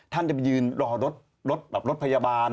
ท่านจะไปยืนรอรถแบบรถพยาบาล